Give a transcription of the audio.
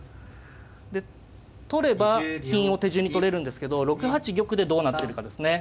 で取れば金を手順に取れるんですけど６八玉でどうなってるかですね。